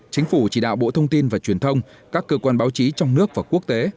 chính phủ chỉ đạo bộ thông tin và truyền thông các cơ quan báo chí trong nước và quốc tế